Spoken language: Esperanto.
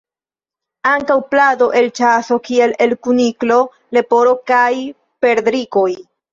Ankaŭ plado el ĉaso, kiel el kuniklo, leporo kaj perdrikoj.